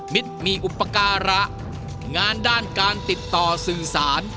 มีอุปการะงานด้านการติดต่อสื่อสาร